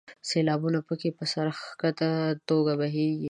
سیلابونه په کې په سر ښکته توګه بهیږي.